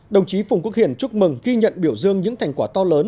đồng chí phùng quốc hiển chúc mừng ghi nhận biểu dương những thành quả to lớn